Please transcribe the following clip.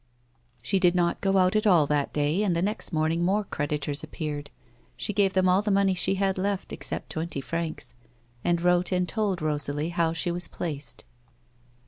She did not go out at all that day, and the next morning more creditors appeared. She gave them all the money she had left, except twenty francs, and wrote and told Eosalie how she was placed.